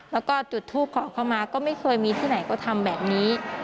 แล้วก็จุดทูปขอเข้ามาก็ไม่เคยมีที่ไหนก็ทำแบบนี้